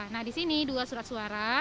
nah disini dua surat suara